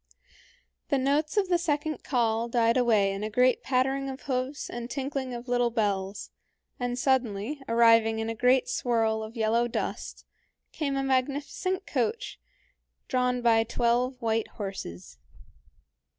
The notes of the second call died away in a great pattering of hoofs and tinkling of little bells, and suddenly, arriving in a great swirl of yellow dust, came a magnificent coach drawn by twelve white horses.